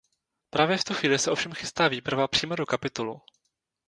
Právě v tu chvíli se ovšem chystá výprava přímo do Kapitolu.